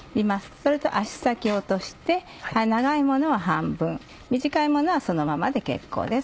それと足先を落として長いものは半分短いものはそのままで結構です。